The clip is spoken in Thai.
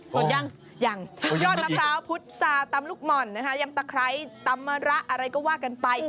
ผลยังยังยอดมะพร้าวพุษาตำลูกหม่อนนะคะยำตะไคร้ตำมะระอะไรก็ว่ากันไป